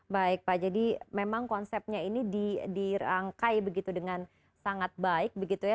baik pak jadi memang konsepnya ini dirangkai begitu dengan sangat baik begitu ya